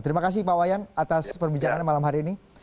terima kasih pak wayan atas perbincangannya malam hari ini